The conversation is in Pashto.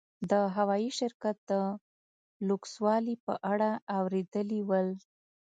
د هوايي شرکت د لوکسوالي په اړه اورېدلي ول.